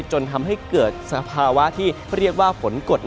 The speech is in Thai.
จนทำให้เกิดสภาวะที่เรียกว่าฝนกด